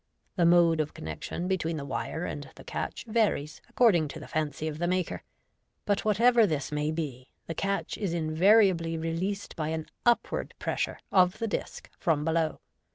The mode of connection between the wire and the catch varies according to the fancy of the maker j but, whatever this may be, the catch is invariably released by an upward pressure of the disc from below.